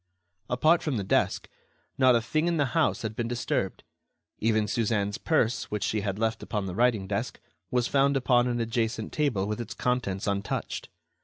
Apart from the desk, not a thing in the house had been disturbed. Even Suzanne's purse, which she had left upon the writing desk, was found upon an adjacent table with its contents untouched.